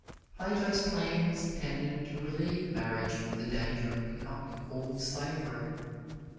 Plato's plan was intended to relieve marriage from the danger of becoming a form of slavery.